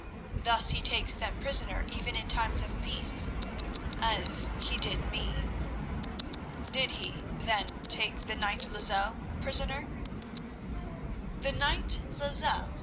Thus he takes them prisoner even in times of peace, as he did me." "Did he, then, take the knight Lozelle prisoner?" "The knight Lozelle?"